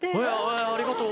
えありがとう。